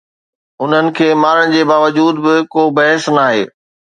انهن کي مارڻ جي باوجود به ڪو بحث ناهي.